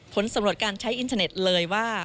ผลสำรวจการใช้อินเทอร์เน็ตเลยว่า